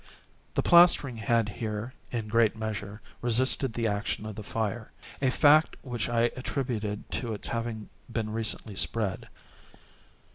The plastering had here, in great measure, resisted the action of the fire—a fact which I attributed to its having been recently spread.